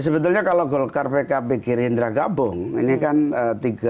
sebetulnya kalau golkar pkb kiri indra gabung ini kan tiga inti ya saya pak prabowo pak erlangga